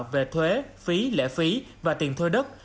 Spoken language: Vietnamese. về thuế phí lễ phí và tiền thuê đất